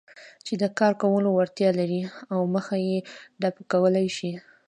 چې د کار کولو وړتیا لري او مخه يې ډب کولای شي.